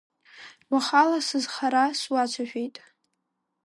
Уахала сызхара суацәажәеит…